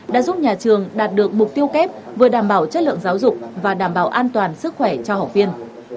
đã giúp nhà trường đạt được mục tiêu kép vừa đảm bảo chất lượng giáo dục và đảm bảo an toàn sức khỏe cho học viên